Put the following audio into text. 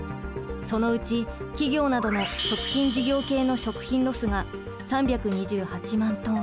そのうち企業などの食品事業系の食品ロスが３２８万トン。